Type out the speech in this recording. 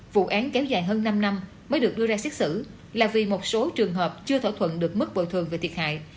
vụ án kéo dài hơn năm năm mới được đưa ra xét xử là vì một số trường hợp chưa thỏa thuận được mức bồi thường về thiệt hại